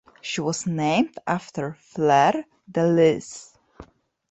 She was named after Fleur de Lys.